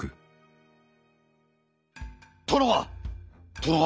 殿は！